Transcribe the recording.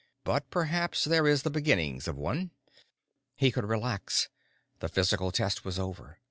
"But perhaps there is the beginnings of one." He could relax. The physical test was over.